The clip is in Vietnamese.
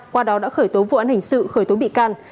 qua đó đã khởi tố vụ án hình sự khởi tố bị can